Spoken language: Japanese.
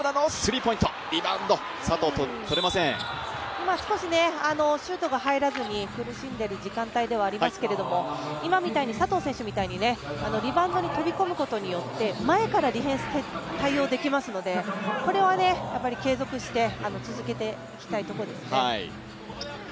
今、少しシュートが入らずに苦しんでいる時間ではありますけれども今みたいに、佐藤選手みたいにリバウンドに飛び込むことによって前からディフェンス、対応できますので、これは継続して続けていきたいところですね。